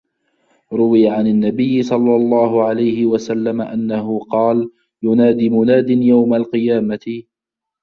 رُوِيَ عَنْ النَّبِيِّ صَلَّى اللَّهُ عَلَيْهِ وَسَلَّمَ أَنَّهُ قَالَ يُنَادِي مُنَادٍ يَوْمَ الْقِيَامَةِ